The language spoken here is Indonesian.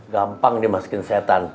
gampang dimasukin setan